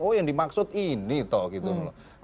oh yang dimaksud ini toh gitu loh